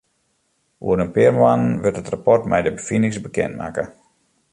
Oer in pear moannen wurdt it rapport mei de befinings bekend makke.